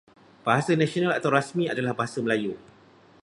Bahasa nasional atau rasmi adalah Bahasa Melayu.